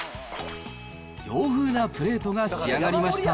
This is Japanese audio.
洋風なプレートが仕上がりました。